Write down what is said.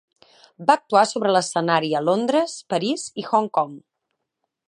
Va actuar sobre l'escenari a Londres, París i Hong Kong.